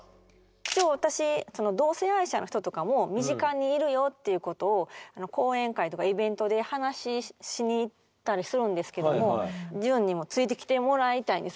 一応私同性愛者の人とかも身近にいるよっていうことを講演会とかイベントで話しに行ったりするんですけどもジュンにもついてきてもらいたいんですよ。